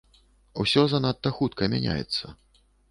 Усё занадта хутка мяняецца.